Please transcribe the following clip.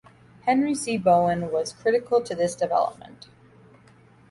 Henry C. Bowen was critical to this development.